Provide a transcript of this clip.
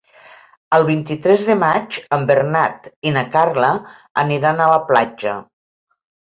El vint-i-tres de maig en Bernat i na Carla aniran a la platja.